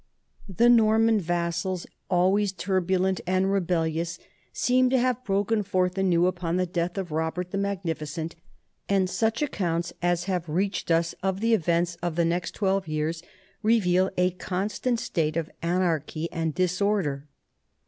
The Norman vassals, always tur bulent and rebellious, seem to have broken forth anew upon the death of Robert the Magnificent, and such accounts as have reached us of the events of the next twelve years reveal a constant state of anarchy and dis order.